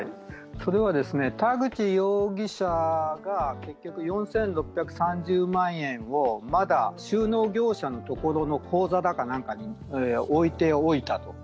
田口容疑者が結局、４６３０万円をまだ出納業者の口座か何かに置いておいたと。